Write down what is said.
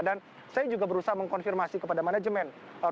dan saya juga berusaha mengkonfirmasi kepada manajemen rumah sakit